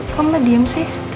kok mbak diem sih